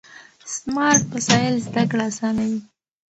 سمارټ وسایل زده کړه اسانوي.